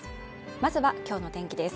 まずは今日の天気です